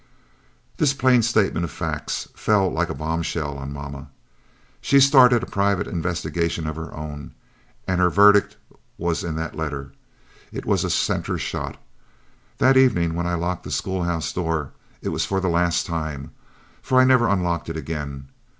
"This plain statement of facts fell like a bombshell on mamma. She started a private investigation of her own, and her verdict was in that letter. It was a centre shot. That evening when I locked the schoolhouse door it was for the last time, for I never unlocked it again.